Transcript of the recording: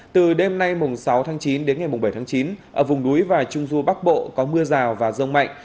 từ đêm nay sáu tháng chín đến ngày bảy tháng chín ở vùng núi và trung du bắc bộ có mưa rào và rông mạnh